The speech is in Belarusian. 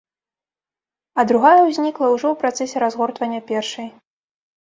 А другая ўзнікла ўжо ў працэсе разгортвання першай.